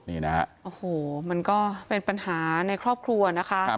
โอ้โหมันก็เป็นปัญหาในครอบครัวนะคะ